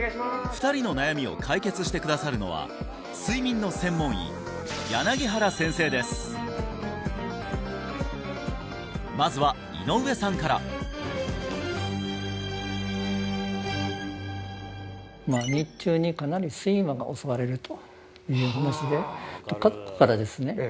２人の悩みを解決してくださるのは睡眠の専門医原先生ですまずは井上さんから日中にかなり睡魔が襲われるという話で家族からですね